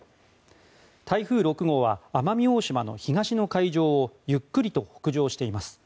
台風６号は奄美大島の東の海上をゆっくりと北上しています。